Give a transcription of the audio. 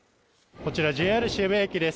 こちらＪＲ渋谷駅です